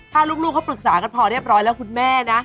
ถ้าลูกเขาปรึกษากันพอเรียบร้อยแล้วคุณแม่นะ